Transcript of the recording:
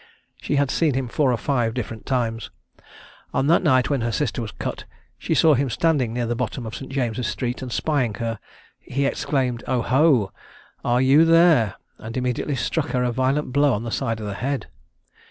She had seen him four or five different times. On that night when her sister was cut, she saw him standing near the bottom of St. James's street, and spying her, he exclaimed, "O ho! are you there!" and immediately struck her a violent blow on the side of the head.